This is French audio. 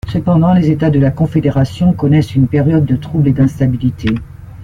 Cependant, les États de la confédération connaissent une période de trouble et d'instabilité.